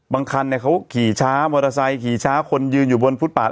คันเขาขี่ช้ามอเตอร์ไซค์ขี่ช้าคนยืนอยู่บนฟุตปาด